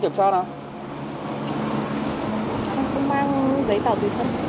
không mang giấy tạo tùy thân